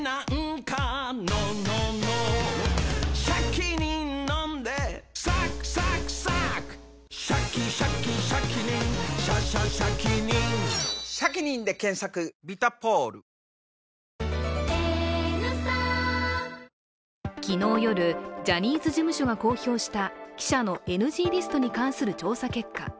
記者会見の進行台本や、昨日夜、ジャニーズ事務所が公表した記者のＮＧリストに関する調査結果。